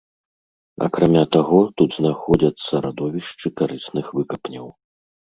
Акрамя таго, тут знаходзяцца радовішчы карысных выкапняў.